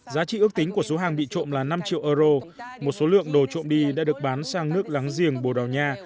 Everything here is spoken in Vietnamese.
giá trị ước tính của số hàng bị trộm là năm triệu euro một số lượng đồ trộm đi đã được bán sang nước láng giềng bồ đào nha